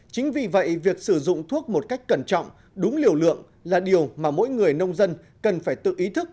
chính vì vậy việc sử dụng thuốc một cách cẩn trọng đúng liều lượng là điều mà mỗi người nông dân cần phải tự ý thức